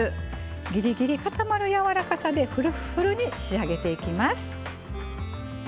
ぎりぎり固まるやわらかさでフルフルに仕上げていきます。